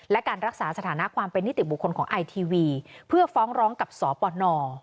และการรักษาสถานะความเป็นนิติบุคคลของไอทีวีเพื่อฟ้องร้องกับสปน